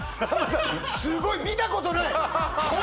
すごい見たことない！